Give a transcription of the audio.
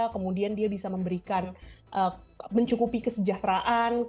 kemudian dia bisa memberikan mencukupi kesejahteraan